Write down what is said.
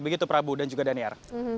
begitu prabu dan juga daniar